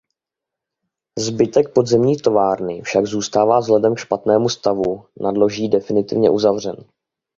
Zbytek podzemní továrny však zůstává vzhledem k špatnému stavu nadloží definitivně uzavřen.